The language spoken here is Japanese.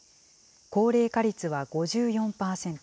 高齢化率は５４％。